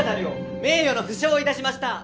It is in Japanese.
名誉の負傷をいたしました。